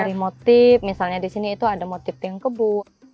dari motif misalnya di sini itu ada motif yang kebu